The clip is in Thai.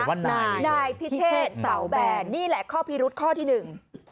เขียนว่านายพิเทศสาวแบนนี่แหละข้อพิรุษข้อที่หนึ่ง